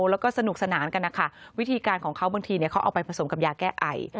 แล้วก็สนุกสนานกันนะคะวิธีการของเขาบางทีเขาเอาไปผสมกับยาแก้ไอ